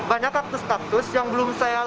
banyak kaktus kaktus yang belum saya lihat